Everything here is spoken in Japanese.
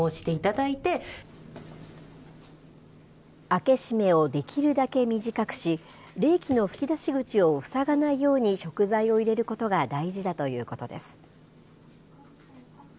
開け閉めをできるだけ短くし、冷気の吹き出し口を塞がないように食材を入れることが大事だということです。